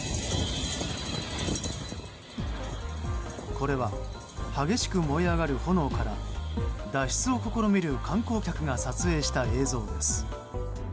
これは、激しく燃え上がる炎から脱出を試みる観光客が撮影した映像です。